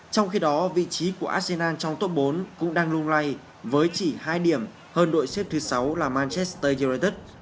trong khi đó vị trí của arsenal trong tốt bốn cũng đang lung lay với chỉ hai điểm hơn đội xếp thứ sáu là manchester united